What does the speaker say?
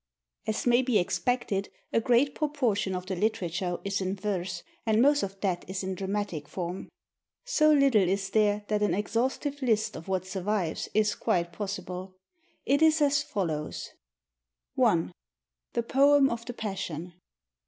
As may be expected, a great proportion of the literature is in verse, and most of that is in dramatic form. So little is there that an exhaustive list of what survives is quite possible. It is as follows: 1. _The Poem of the Passion.